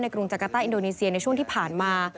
กรุงจักรต้าอินโดนีเซียในช่วงที่ผ่านมา